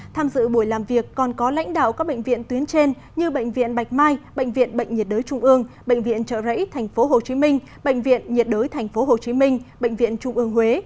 tham dự buổi làm việc còn có lãnh đạo các bệnh viện tuyến trên như bệnh viện bạch mai bệnh viện bệnh nhiệt đới trung ương bệnh viện trợ rẫy tp hcm bệnh viện nhiệt đới tp hcm bệnh viện trung ương huế